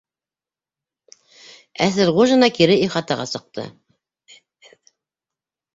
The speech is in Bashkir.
Әҙелғужина кире ихатаға сыҡты.